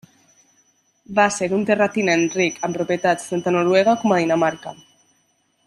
Va ser un terratinent ric amb propietats tant a Noruega com a Dinamarca.